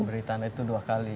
beri tanda itu dua kali